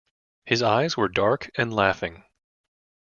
His eyes were dark and laughing.